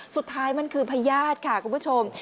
สุดท้ายมันคือพญาติค่ะคุณผู้ชม